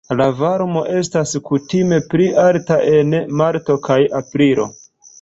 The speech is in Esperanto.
La varmo estas kutime pli alta en marto kaj aprilo.